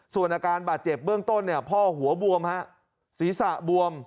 ส่วนอาการบาดเจ็บเบื้องต้นเนี่ยพ่อหัวบวมฮะศีรษะบวม